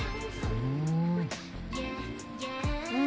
うん！